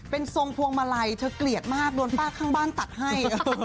เป็นทรงพวงมาลัยเธอเกลียดมากโดนป้าข้างบ้านตัดให้